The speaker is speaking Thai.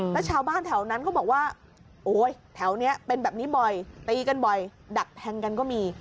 แล้วชาวบ้านแถวนั้นเขาบอกว่าโอ๊ยแถวนี้เป็นแบบนี้บ่อยตีกันบ่อยดักแทงกันก็มี